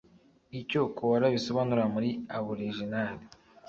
Icyo Koala Bisobanura Muri Aboriginal